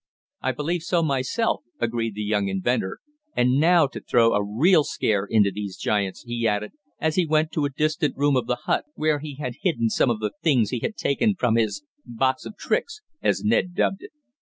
"I believe so myself," agreed the young inventor. "And now to throw a real scare into these giants," he added, as he went to a distant room of the hut where he had hidden some of the things he had taken from his "box of tricks," as Ned dubbed it.